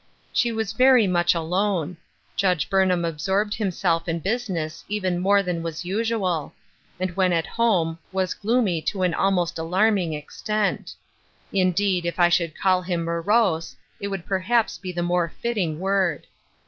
She was very much alone ; Judge Burnham absorbed himself in business even more than was usual ; and when at home was gloomy to an almost alarming extent ; indeed, if I should call him morose, it would perhaps be the " NEXT MOST. 29I more fitting word.